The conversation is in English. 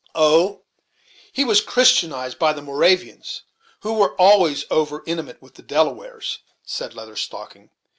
"Oh! he was Christianized by the Moravians, who were always over intimate with the Delawares," said Leather Stocking.